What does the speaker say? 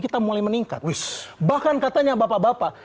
kita mulai meningkat wish bahkan katanya bapak bapak